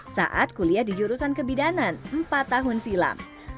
saat kuliah di jurusan kebidanan empat tahun silam